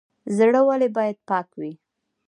زړه ولې باید پاک وي؟